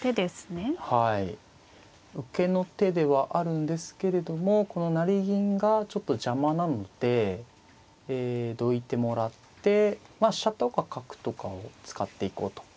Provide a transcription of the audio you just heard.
受けの手ではあるんですけれどもこの成銀がちょっと邪魔なのでどいてもらってまあ飛車とか角とかを使っていこうと。